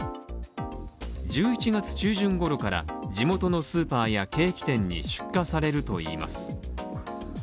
１１月中旬頃から地元のスーパーやケーキ店に出荷されるといいます